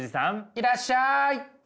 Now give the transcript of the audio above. いらっしゃい。